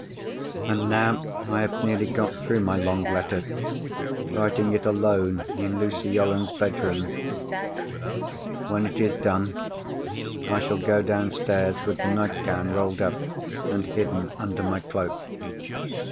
"And now I have nearly got through my long letter, writing it alone in Lucy Yolland's bedroom. When it is done, I shall go downstairs with the nightgown rolled up, and hidden under my cloak.